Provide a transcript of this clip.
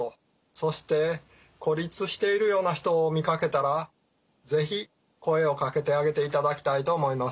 そして孤立しているような人を見かけたら是非声を掛けてあげていただきたいと思います。